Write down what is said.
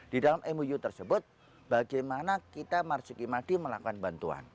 di dalam mou tersebut bagaimana kita marzuki madi melakukan bantuan